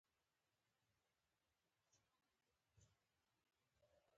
د ډاکتر خبرو هېښ کړى وم.